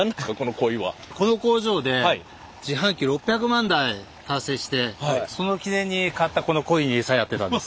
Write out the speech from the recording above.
この工場で自販機６００万台達成してその記念に買ったこのコイにエサやってたんです。